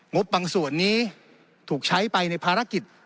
งบบางส่วนนี้ถูกใช้ไปในภารกิจ